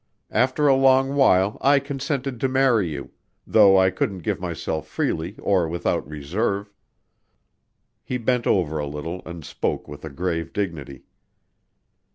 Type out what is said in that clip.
After a long while I consented to marry you though I couldn't give myself freely or without reserve." He bent over a little and spoke with a grave dignity.